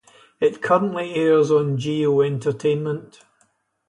It currently aires on Geo Entertainment.